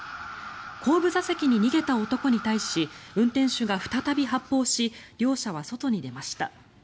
後部座席に逃げた男に対し運転手が再び発砲し両者は外に出ました。